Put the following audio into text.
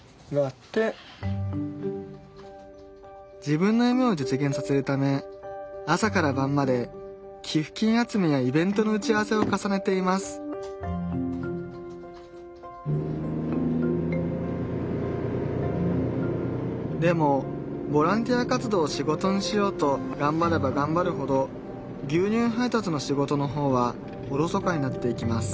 自分の夢を実現させるため朝から晩まで寄付金集めやイベントの打ち合わせを重ねていますでもボランティア活動を仕事にしようとがんばればがんばるほど牛乳配達の仕事の方はおろそかになっていきます